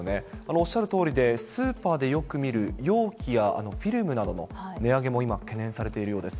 おっしゃるとおりで、スーパーでよく見る容器やフィルムなどの値上げも今、懸念されているようです。